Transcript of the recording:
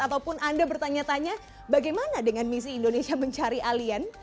ataupun anda bertanya tanya bagaimana dengan misi indonesia mencari alien